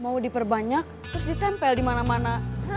mau diperbanyak terus ditempel dimana mana